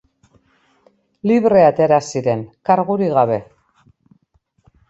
Libre atera ziren, kargurik gabe.